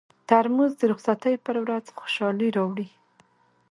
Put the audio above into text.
ترموز د رخصتۍ پر ورځ خوشالي راوړي.